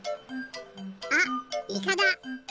あっイカだ！